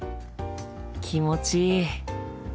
気持ちいい。